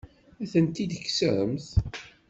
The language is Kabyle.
Ad ten-id-tekksemt?